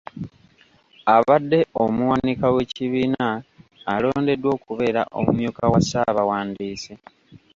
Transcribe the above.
Abadde omuwanika w’ekibiina alondeddwa okubeera omumyuka wa ssaabawandiisi.